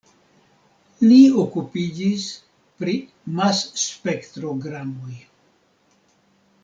Li okupiĝis pri Mas-spektrogramoj.